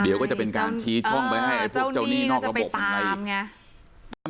เดี๋ยวก็จะเป็นการชี้ช่องไปให้เจ้าหนี้นอกระบบไหน